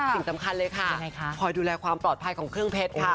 สิ่งสำคัญเลยค่ะคอยดูแลความปลอดภัยของเครื่องเพชรค่ะ